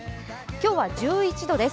今日は１１度です。